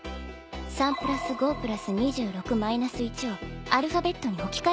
「３＋５＋２６−１」をアルファベットに置き換えるのよ。